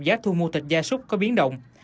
giá thu mua thịt gia súc có biến động